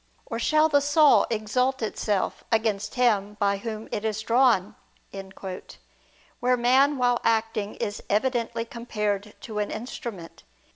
Or shall the saw exalt itself against him by whom it is drawn?" where man while acting is evidently compared to an instrument.